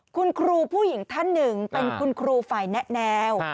คุณครูผู้หญิงท่านหนึ่งเป็นคุณครูฝ่ายแนะแนว